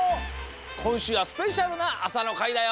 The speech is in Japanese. こんしゅうはスペシャルなあさのかいだよ！